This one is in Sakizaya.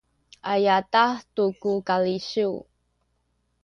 a yadah tu ku kalisiw